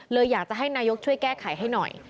อยากจะให้นายกช่วยแก้ไขให้หน่อย